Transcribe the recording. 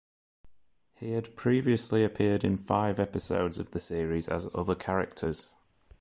He had previously appeared in five episodes of the series as other characters.